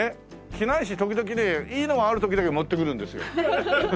機内誌時々ねいいのがある時だけ持ってくるんですよ。